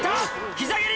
膝蹴り！